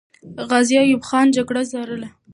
غازي ایوب خان جګړه ځارله.